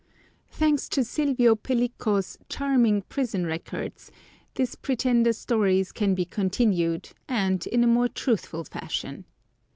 Thanks to Silvio Pellico's charming prison records, this pretender's story can be continued, and in a more truthful fashion.